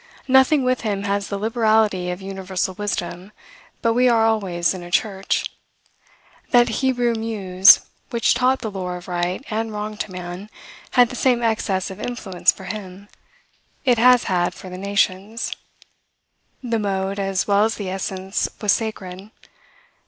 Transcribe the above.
Nothing with him has the liberality of universal wisdom, but we are always in a church. That Hebrew muse, which taught the lore of right and wrong to man, had the same excess of influence for him, it has had for the nations. The mode, as well as the essence, was sacred.